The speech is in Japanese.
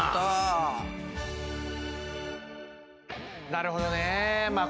なるほどね。